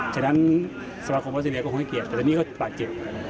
ฉะนั้นสมาคมออสเตรเลียก็คงให้เกียรติแต่นี่ก็บาดเจ็บ